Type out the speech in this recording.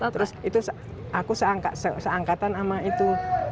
terus itu aku seangkatan sama itu